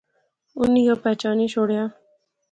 اُنی او پچھانی شوڑیا